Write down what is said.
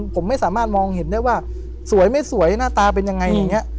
ผมไม่สามารถมองเห็นได้ว่าสวยไม่สวยหน้าตาเป็นยังไงอย่างนี้